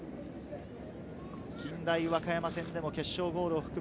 近大和歌山戦でも決勝ゴールを含む